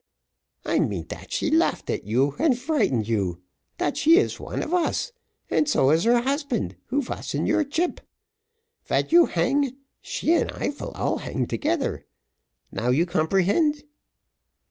"I mean dat she laughed at you, and frighten you dat she is one of us, and so is her husband, who vas in your chip. Ven you hang, she and I vill all hang together; now you comprehend?"